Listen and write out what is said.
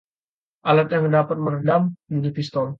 alat yang dapat meredam bunyi pistol